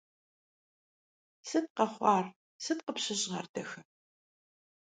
Сыт къэхъуар, сыт къыпщыщӏар, дахэ?